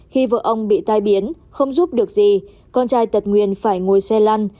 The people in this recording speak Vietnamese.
khi vợ ông bị tai biến không giúp được gì con trai tật nguyền phải ngồi xe lăn